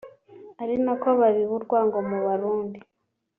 ari nako babiba urwango mu Barundi